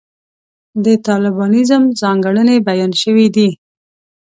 د طالبانیزم ځانګړنې بیان شوې دي.